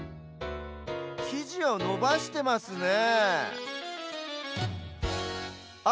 きじをのばしてますねえあ！